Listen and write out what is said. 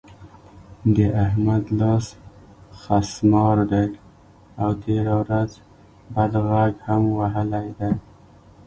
د احمد لاس خسمار دی؛ او تېره ورځ بد غږ هم وهلی دی.